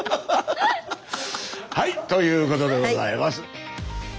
はい！ということでございます。